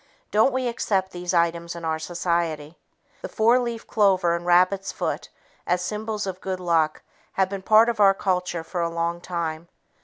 Don't we accept these items in our society? The four leaf clover and rabbit's foot as symbols of good luck have been part of our culture for a long time.